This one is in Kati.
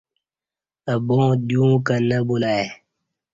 اہ با ں دیو ں کں نہ بُلہ ای